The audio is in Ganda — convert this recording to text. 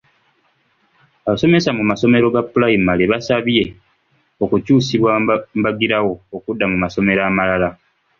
Abasomesa mu masomero ga pulayimale basabye okukyusibwa embagirawo okudda ku masomero amalala.